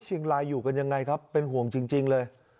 เชียงรายอยู่กันยังไงครับเป็นห่วงจริงเลย